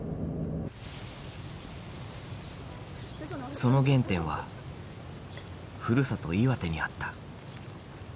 その原点はふるさと岩手にあった。